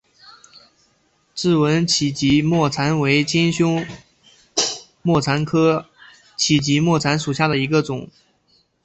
白纹歧脊沫蝉为尖胸沫蝉科歧脊沫蝉属下的一个种。